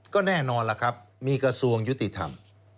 ก็แน่นอนล่ะครับมีกระทรวงยุติธรรม